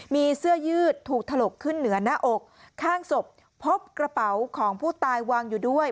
มีเสื้อยืดถูกถลกขึ้นเหนือหน้าอกข้างศพพบกระเป๋าของผู้ตายวางอยู่ด้วย